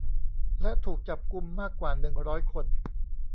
และถูกจับกุมมากกว่าหนึ่งร้อยคน